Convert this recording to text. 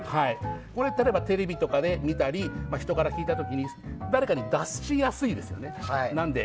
例えば、テレビとかで見たり人から聞いた時に誰かに出しやすいですよね。